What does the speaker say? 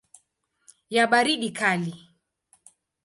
ya baridi kali.